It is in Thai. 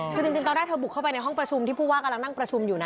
คือจริงตอนแรกเธอบุกเข้าไปในห้องประชุมที่ผู้ว่ากำลังนั่งประชุมอยู่นะ